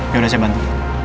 yaudah saya bantu